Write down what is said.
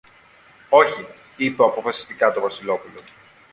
Όχι, είπε αποφασιστικά το Βασιλόπουλο